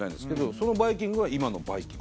そのバイキングは今のバイきんぐ。